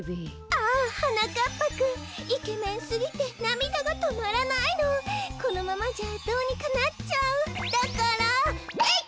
ああはなかっぱくんイケメンすぎてなみだがとまらないのこのままじゃどうにかなっちゃうだからえいっ！